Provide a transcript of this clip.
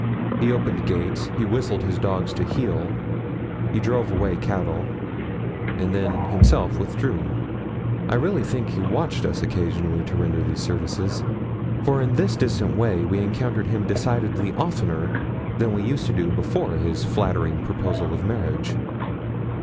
He opened gates, he whistled his dogs to 'heel,' he drove away cattle, and then himself withdrew. I really think he watched us occasionally to render these services, for in this distant way we encountered him decidedly oftener than we used to do before his flattering proposal of marriage.